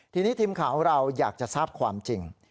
ทีนี้ทีมข่าวของเราอยากจะทราบความจริง